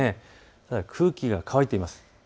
ただ空気が乾いています。